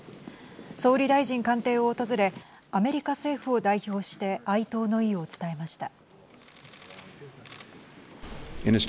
総理大臣官邸を訪れアメリカ政府を代表して哀悼の意を伝えました。